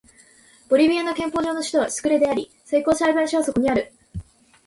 ボリビアの憲法上の首都はスクレであり最高裁判所はそこにある